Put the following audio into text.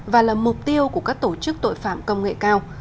và là mục tiêu của các tổ chức tội phạm công nghệ cao